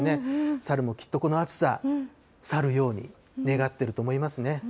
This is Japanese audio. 猿も、きっとこの暑さ、さるように願っていると思いますね。